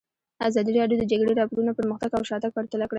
ازادي راډیو د د جګړې راپورونه پرمختګ او شاتګ پرتله کړی.